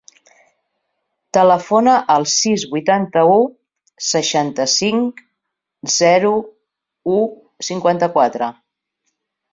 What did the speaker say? Telefona al sis, vuitanta-u, seixanta-cinc, zero, u, cinquanta-quatre.